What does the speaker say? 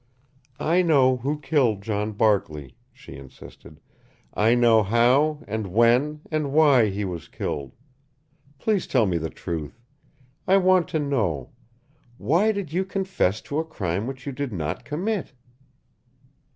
"I know who killed John Barkley," she insisted. "I know how and when and why he was killed. Please tell me the truth. I want to know. Why did you confess to a crime which you did not commit?"